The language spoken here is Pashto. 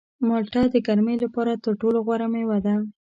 مالټه د ګرمۍ لپاره تر ټولو غوره مېوه ده.